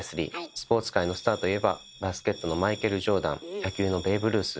スポーツ界のスターといえばバスケットのマイケル・ジョーダン野球のベーブ・ルース。